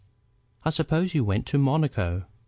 "I suppose you went to Monaco?"